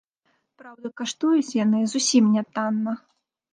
Праўда, каштуюць яны зусім нятанна.